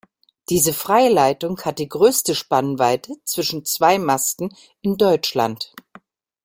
Diese Freileitung hat die größte Spannweite zwischen zwei Masten in Deutschland.